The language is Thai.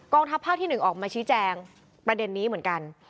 ทัพภาคที่๑ออกมาชี้แจงประเด็นนี้เหมือนกัน